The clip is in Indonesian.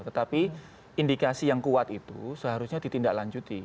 tetapi indikasi yang kuat itu seharusnya ditindaklanjuti